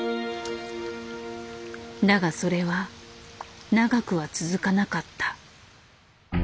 だがそれは長くは続かなかった。